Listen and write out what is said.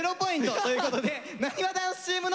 ということでなにわ男子チームの勝利です！